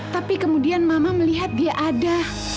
tapi kemudian mama melihat dia ada